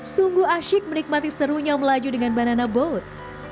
sungguh asyik menikmati serunya melaju dengan banana boat